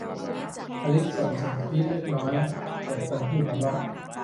อลิซส่งเสียงกรี๊ดเล็กหน่อยแก่คนที่หัวเราะ